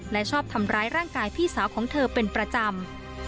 และชอบทำร้ายร่างกายพี่สาวของเธอเป็นประจำ